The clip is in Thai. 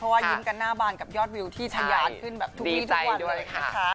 ว่ายิ้มกันหน้าบานกับยอดวิวที่ทะยานขึ้นแบบทุกวีทุกวันเลยนะคะ